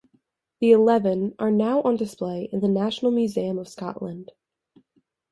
The eleven are now on display in the National Museum of Scotland.